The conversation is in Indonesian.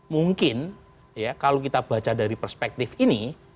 mungkin ya kalau kita baca dari perspektif ini